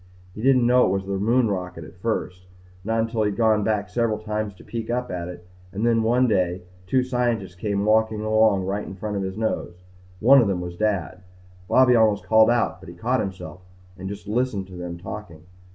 He didn't know it was the moon rocket at first. Not until he'd gone back several times to peek up at it and then one day two scientists came walking along right in front of his nose. One of them was Dad. Bobby almost called out but he caught himself and just listened to them talking.